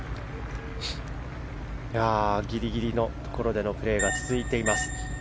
ギリギリのところでのプレーが続いています。